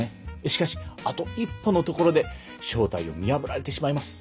しかしあと一歩のところで正体を見破られてしまいます。